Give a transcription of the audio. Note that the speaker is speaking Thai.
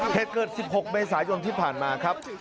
เหตุเกิด๑๖เมษายนที่ผ่านมาครับ